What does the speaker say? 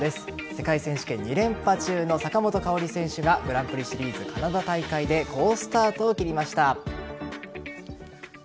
世界選手権２連覇中の坂本花織選手がグランプリシリーズカナダ大会で好スタートを切りました。